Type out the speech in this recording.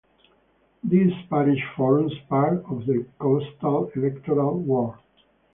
This parish forms part of the Coastal electoral ward.